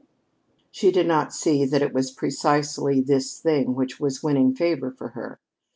She did not see that it was precisely this thing which was winning favor for her.